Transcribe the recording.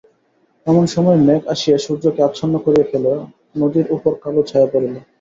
এমন সময়ে মেঘ আসিয়া সূর্যকে আচ্ছন্ন করিয়া ফেলিল, নদীর উপর কালো ছায়া পড়িল।